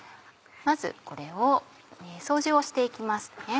まずこれを掃除をして行きますね。